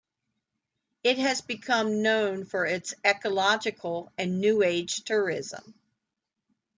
It has become known for its ecological and New Age tourism.